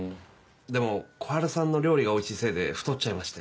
でも小春さんの料理がおいしいせいで太っちゃいまして。